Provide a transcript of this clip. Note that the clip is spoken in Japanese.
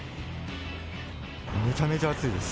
めちゃめちゃ暑いです。